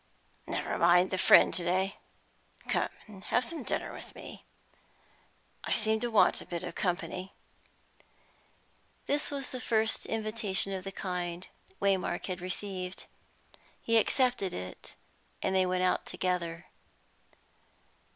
"Never mind the friend to day; come and have some dinner with me. I seem to want a bit of company." This was the first invitation of the kind Waymark had received. He accepted it, and they went out together.